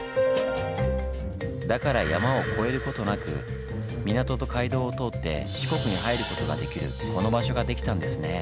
だから山を越えることなく港と街道を通って四国に入ることができるこの場所ができたんですねぇ。